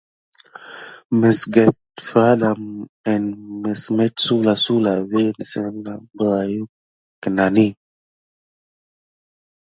Məsget fraɗa en məs met suwlasuwla vi nisikeho berayuck kenani.